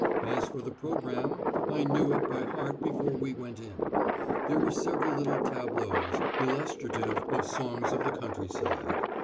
As for the programme, I knew it by heart before we went in. There were several little tableaux, illustrative of songs of the countryside.